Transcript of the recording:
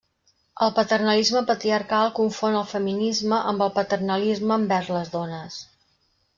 El paternalisme patriarcal confon el feminisme amb el paternalisme envers les dones.